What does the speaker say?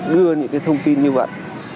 đưa những cái thông tin như vậy